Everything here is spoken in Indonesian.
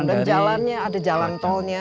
dan jalannya ada jalan tolnya